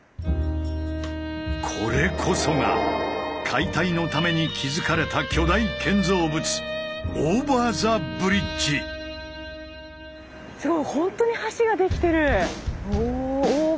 これこそが解体のために築かれた巨大建造物うわすごい！